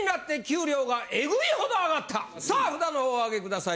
さあ札のほうをおあげください